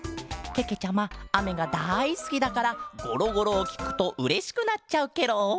けけちゃまあめがだいすきだからゴロゴロをきくとうれしくなっちゃうケロ！